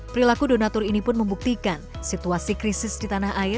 perilaku donatur ini pun membuktikan situasi krisis di tanah air